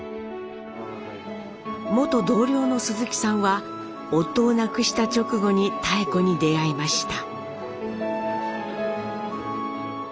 元同僚の鈴木さんは夫を亡くした直後に妙子に出会いました。